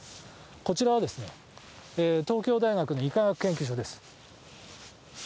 こちらは東京大学の医科学研究所です。